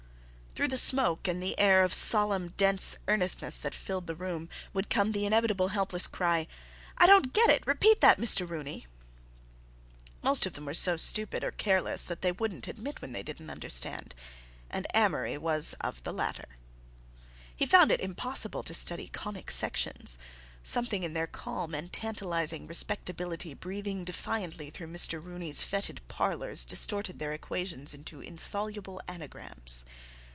Through the smoke and the air of solemn, dense earnestness that filled the room would come the inevitable helpless cry: "I don't get it! Repeat that, Mr. Rooney!" Most of them were so stupid or careless that they wouldn't admit when they didn't understand, and Amory was of the latter. He found it impossible to study conic sections; something in their calm and tantalizing respectability breathing defiantly through Mr. Rooney's fetid parlors distorted their equations into insoluble anagrams.